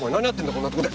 こんなところで。